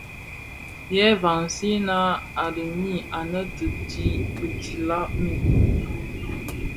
Yë vansina a dhemi annë tii dhi bitilag mii,